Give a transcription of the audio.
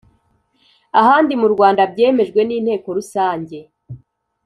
ahandi mu Rwanda byemejwe n inteko Rusange